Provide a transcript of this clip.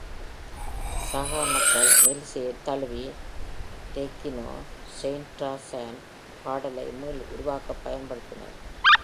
சாகா மக்கள் மெல்லிசையைத் தழுவி, " Takeno Shintaro-san " பாடலை மீள் உருவாக்கப் பயன்படுத்தினர்.